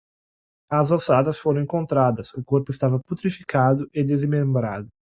As ossadas foram encontradas, o corpo estava putrificado e desmembrado